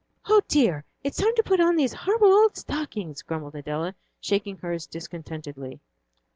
"O dear, it's time to put on these horrible old stockings," grumbled Adela, shaking hers discontentedly.